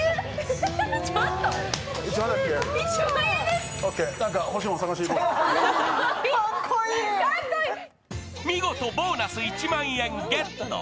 すごい！見事ボーナス１万円ゲット。